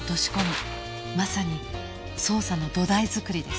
まさに捜査の「土台」作りです